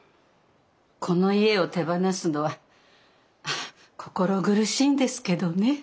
この家を手放すのは心苦しいんですけどね。